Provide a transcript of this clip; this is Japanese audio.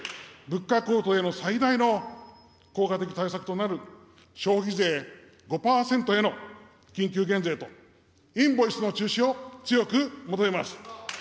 加えて、物価高騰への最大の効果的対策となる消費税５％への緊急減税とインボイスの中止を強く求めます。